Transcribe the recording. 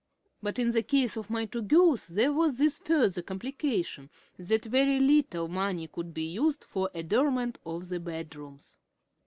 But in the case of my two girls there was this further complication, that very little money could be used for adornment of the bedrooms.